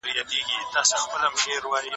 مطالعه د معلوماتو زیاتوالی راولي.